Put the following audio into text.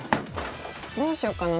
どうしようかな？